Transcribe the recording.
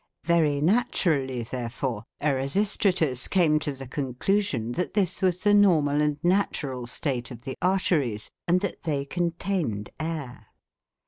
Very naturally, therefore, Erasistratus came to the conclusion that this was the normal and natural state of the arteries, and that they contained air.